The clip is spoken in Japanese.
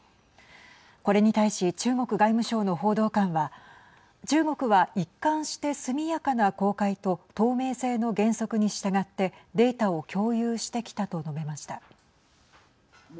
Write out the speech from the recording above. これに対し中国外務省の報道官は中国は一貫して速やかな公開と透明性の原則に従ってデータを共有してきたと述べました。